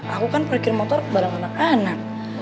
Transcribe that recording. aku kan parkir motor bareng anak anak